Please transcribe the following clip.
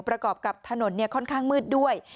ประกอบกับถนนค่อนข้างมืดด้วย